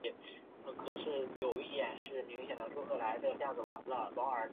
闻堰街道是中国浙江省杭州市萧山区下辖的一个街道办事处。